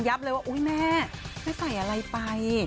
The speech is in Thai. เลยว่าอุ๊ยแม่ไม่ใส่อะไรไป